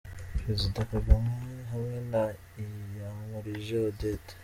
Perezida Kagame hamwe na Yankurije Odette .